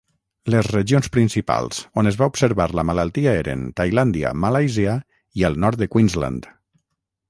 Les regions principals on es va observar la malaltia eren Tailàndia, Malàisia i el nord de Queensland.